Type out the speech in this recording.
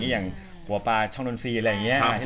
อย่างหัวปลาช่องนนทรีย์อะไรอย่างนี้